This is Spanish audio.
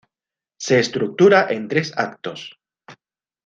Se estructura en tres actos.